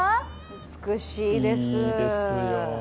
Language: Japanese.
美しいです。